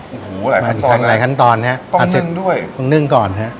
โอ้โหหลายขั้นตอนหลายขั้นตอนนะฮะต้องมานึ่งด้วยต้องนึ่งก่อนฮะ